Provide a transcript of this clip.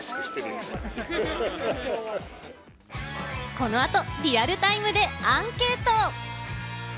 この後、リアルタイムでアンケート。